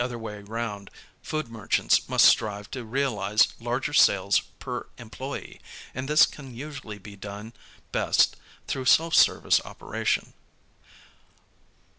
other way round, food merchants must strive to realize larger sales per employe, and this can usually be done best through self service operation.